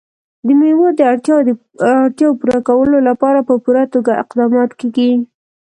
د مېوو د اړتیاوو پوره کولو لپاره په پوره توګه اقدامات کېږي.